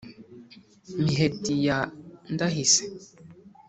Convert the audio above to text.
miheti ya ndahise,